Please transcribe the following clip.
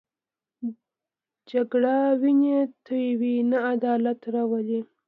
جګړه وینې تویوي، نه عدالت راولي